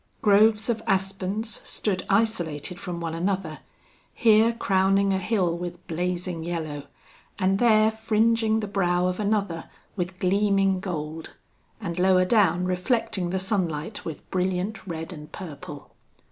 Groves of aspens stood isolated from one another here crowning a hill with blazing yellow, and there fringing the brow of another with gleaming gold, and lower down reflecting the sunlight with brilliant red and purple.